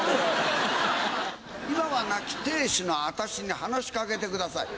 今は亡き亭主の私に話しかけてください。